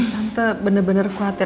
tante bener bener khawatir